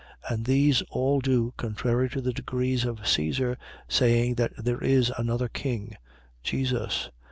And these all do contrary to the decrees of Caesar, saying that there is another king, Jesus.